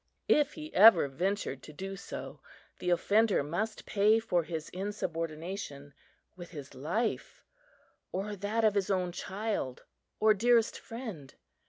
If he ever ventured to do so, the offender must pay for his insubordination with his life, or that of his own child or dearest friend.